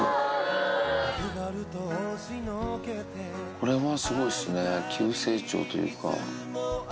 これはすごいっすね、急成長というか。